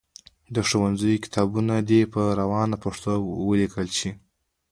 د ښوونځیو کتابونه دي په روانه پښتو ولیکل سي.